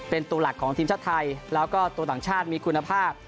เป็นตัวหลักของทีมชาติไทยแล้วก็ตัวต่างชาติมีคุณภาพ